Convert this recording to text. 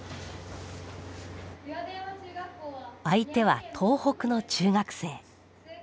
相手は東北の中学生。